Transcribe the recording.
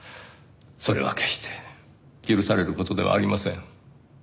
それは決して許される事ではありません。